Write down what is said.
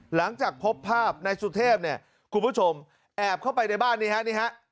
หลังจากพบภาพนายสุเทพเนี่ยคุณผู้ชมแอบเข้าไปในบ้านนี่ฮะนี่ฮะ